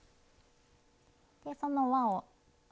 でその輪を。